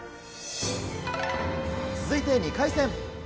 続いて２回戦。